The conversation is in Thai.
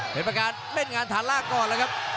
เป็นประการเล่นงานฐานล่างก่อนแล้วครับ